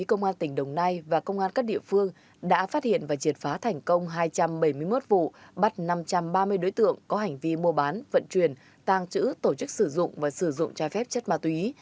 công an tỉnh đồng nai đã triệt phá thành công hai trăm bảy mươi một vụ bắt năm trăm ba mươi đối tượng có hành vi mua bán vận chuyển tàng trữ tổ chức sử dụng và sử dụng trái phép chất ma túy